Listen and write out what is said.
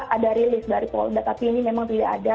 ada rilis dari polda tapi ini memang tidak ada